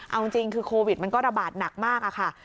เอาจริงคือโควิดมันก็ระบาดหนักมากอะค่ะ